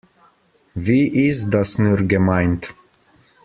Wie ist das nur gemeint?